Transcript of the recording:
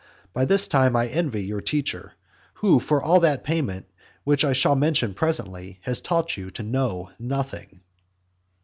By this time I envy your teacher, who for all that payment, which I shall mention presently, has taught you to know nothing.